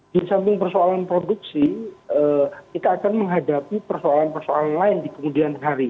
di samping persoalan produksi kita akan menghadapi persoalan persoalan lain di kemudian hari